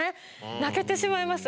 泣けてしまいます。